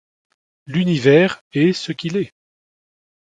L’univers est ce qu’il est.